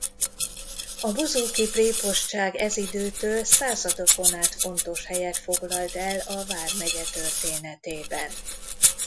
A bozóki prépostság ez időtől századokon át fontos helyet foglalt el a vármegye történetében.